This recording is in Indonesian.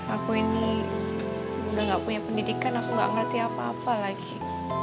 aku ini udah gak punya pendidikan aku gak ngerti apa apa lagi